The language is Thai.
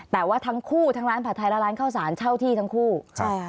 แต่ว่าทั้งคู่ทั้งร้านผัดไทยและร้านข้าวสารเช่าที่ทั้งคู่ใช่ค่ะ